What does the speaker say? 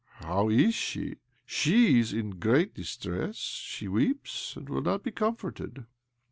"" How is she? She is in great distress. She weeps, and will not be comforted."